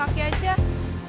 tidak ada yang bisa dipercaya